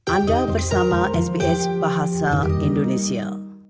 anda bersama sbs bahasa indonesia